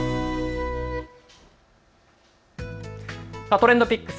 ＴｒｅｎｄＰｉｃｋｓ。